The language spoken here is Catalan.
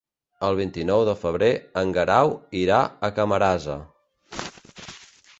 El vint-i-nou de febrer en Guerau irà a Camarasa.